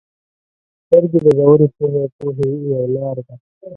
• سترګې د ژورې پوهې او پوهې یو لار ده.